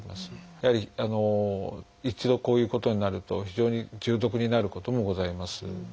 やはり一度こういうことになると非常に重篤になることもございます。